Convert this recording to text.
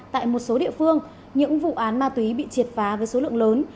tại một số địa phương những vụ án ma túy bị triệt phá với số lượng lớn